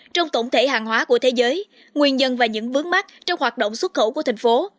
trong tổng thể hàng hóa của thế giới nguyên nhân và những vướng mắt trong hoạt động xuất khẩu của thành phố